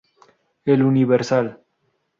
El Universal.